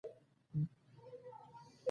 د خدای رضا د خیر نیت له لارې ده.